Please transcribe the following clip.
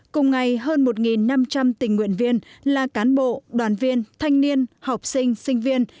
cùng ngày hơn một năm trăm linh tình nguyện viên là cán bộ đoàn viên thanh niên học sinh sinh viên